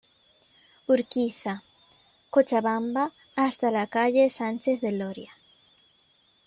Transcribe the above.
Urquiza; Cochabamba, hasta la calle Sánchez de Loria.